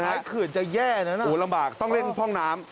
โอ้ชายขื่นจะแย่นะน่ะโอ้ลำบากต้องเร่งพ่องน้ำ